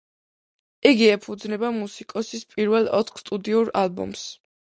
იგი ეფუძნება მუსიკოსის პირველ ოთხ სტუდიურ ალბომს.